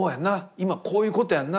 今こういうことやんな。